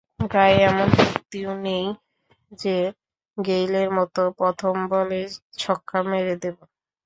গায়ে এমন শক্তিও নেই যে, গেইলের মতো প্রথম বলেই ছক্কা মেরে দেব।